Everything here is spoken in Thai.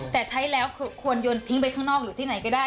แต่ใช้แล้วคือควรโยนทิ้งไปข้างนอกหรือที่ไหนก็ได้